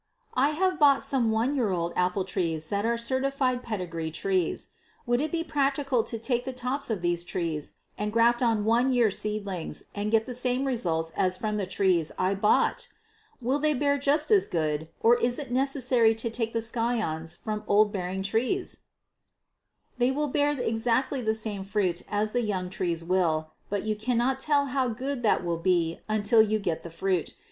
I have bought some one year old apple trees that are certified pedigree trees. Would it be practical to take the tops of these trees and graft on one year seedlings and get the same results as from the trees I bought? Will they bear just as good, or is it necessary to take the scions from old bearing trees? They will bear exactly the same fruit as the young trees will, but you cannot tell how good that will be until you get the fruit.